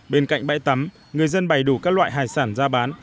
bên cạnh bãi tắm người dân bày đủ các loại hải sản ra bán